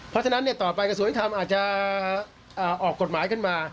เพราะฉะนั้นต่อไปกระทรวงยุทธรรมอาจจะออกกฎหมายขึ้นมา